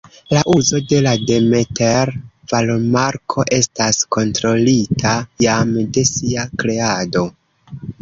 La uzo de la Demeter-varomarko estas kontrolita jam de sia kreado.